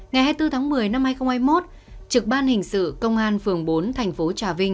ngày hai mươi bốn tháng một mươi năm hai nghìn hai mươi một trực ban hình sự công an phường bốn thành phố trà vinh